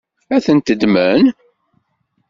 Ad tent-ddmen?